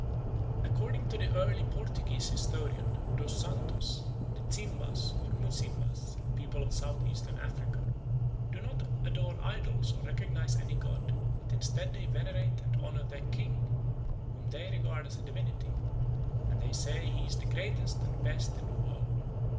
According to the early Portuguese historian, Dos Santos, the Zimbas, or Muzimbas, a people of South eastern Africa, "do not adore idols or recognize any god, but instead they venerate and honour their king, whom they regard as a divinity, and they say he is the greatest and best in the world.